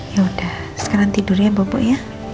yaudah sekarang tidur ya bobo ya